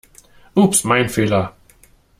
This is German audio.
Ups, mein Fehler!